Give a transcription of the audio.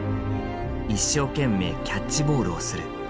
「一生けんめいキャッチボールをする」。